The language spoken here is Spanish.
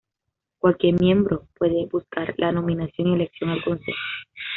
Cualquier miembro puede buscar la nominación y elección al Consejo.